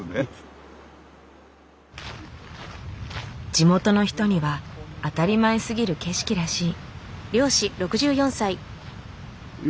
地元の人には当たり前すぎる景色らしい。